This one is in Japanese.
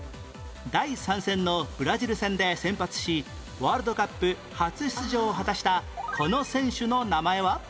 第３戦のブラジル戦で先発しワールドカップ初出場を果たしたこの選手の名前は？